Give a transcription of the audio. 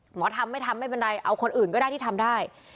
หมอทำไม่ทำไม่เป็นไรเอาคนอื่นก็ได้ที่ทำได้